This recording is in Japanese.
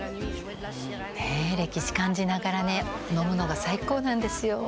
ねえ歴史感じながらね飲むのが最高なんですよ。